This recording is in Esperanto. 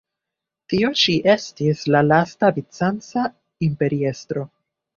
Tio ĉi estis la lasta bizanca imperiestro.